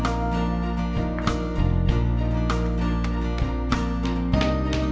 semua jadi lebih mudah loh begini